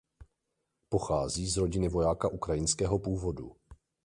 Pochází z rodiny vojáka ukrajinského původu.